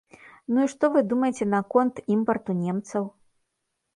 Ну і што вы думаеце наконт імпарту немцаў?